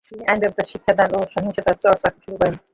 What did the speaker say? তিনি আইন ব্যবসা, শিক্ষাদান ও সাহিত্য চর্চা শুরু করেন।